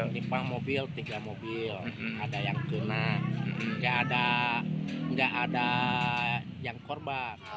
limpa mobil tiga mobil ada yang tuna nggak ada yang korban